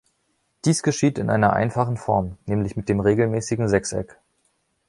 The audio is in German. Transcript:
Dies geschieht in einer einfachen Form, nämlich mit dem regelmäßigen Sechseck.